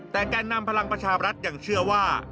แต่แก่นนำพลังประชาบรัฐยังเชื่อว่า